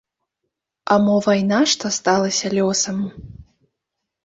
А мо вайна, што сталася лёсам?